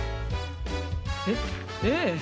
えっええ。